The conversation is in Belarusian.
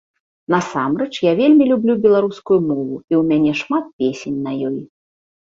Насамрэч, я вельмі люблю беларускую мову, і ў мяне шмат песень на ёй.